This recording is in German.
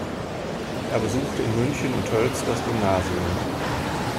Er besuchte in München und Tölz das Gymnasium.